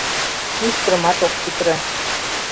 Мӱшкырымат ок пӱтырӧ.